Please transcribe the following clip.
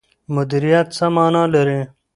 مدیریت څه مانا لري؟